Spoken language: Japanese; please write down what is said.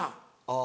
あ。